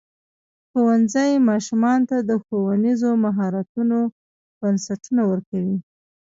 ښوونځی ماشومانو ته د ښوونیزو مهارتونو بنسټونه ورکوي.